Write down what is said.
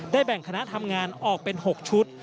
แบ่งคณะทำงานออกเป็น๖ชุด